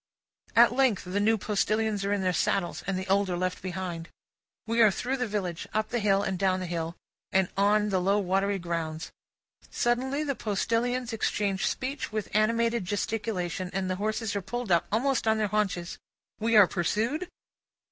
At length the new postilions are in their saddles, and the old are left behind. We are through the village, up the hill, and down the hill, and on the low watery grounds. Suddenly, the postilions exchange speech with animated gesticulation, and the horses are pulled up, almost on their haunches. We are pursued?